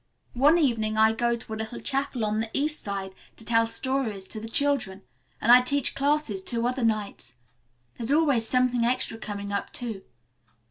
One evening I go to a little chapel on the East Side to tell stories to children, and I teach classes two other nights. There's always something extra coming up, too.